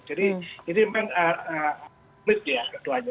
jadi ini memang keduanya